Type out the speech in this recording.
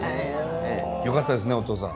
よかったですねお父さん。